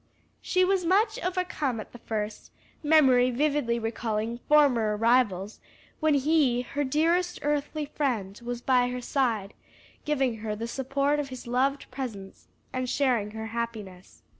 She was much overcome at the first, memory vividly recalling former arrivals when he her dearest earthly friend was by her side, giving her the support of his loved presence and sharing her happiness.